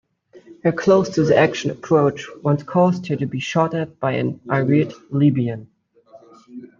Her close-to-the-action approach once caused her to be shot at by an "irate Libyan".